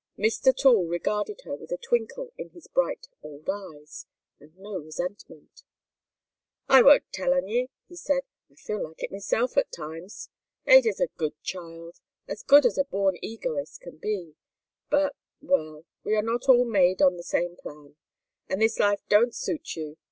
Mr. Toole regarded her with a twinkle in his bright old eyes, and no resentment. "I won't tell on ye," he said. "I feel like it meself, at times. Ada's a good child, as good as a born egoist can be, but well we are not all made on the same plan. And this life don't suit you.